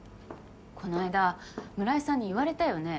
こないだ村井さんに言われたよね。